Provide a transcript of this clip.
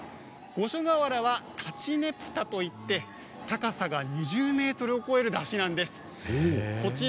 五所川原はたちねぷたといって高さが２０ｍを超える山車なんです。